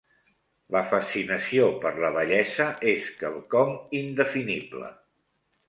La fascinació per la bellesa és quelcom indefinible.